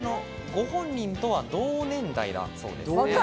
ちなみに、ご本人とは同年代だそうです。